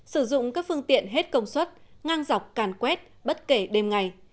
sử dụng các phương tiện hết công suất ngang dọc càn quét bất kể đêm ngày